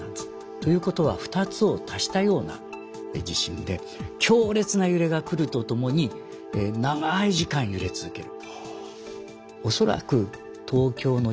ということは２つを足したような地震で強烈な揺れが来るとともに長い時間揺れ続ける。